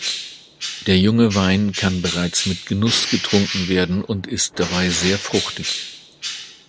Der junge Wein kann bereits mit Genuss getrunken werden und ist dabei sehr fruchtig.